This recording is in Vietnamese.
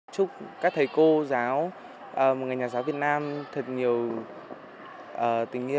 chúc các thầy cô giáo một người nhà giáo việt nam thật nhiều tình yêu